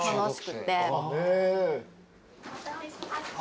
お待たせしました。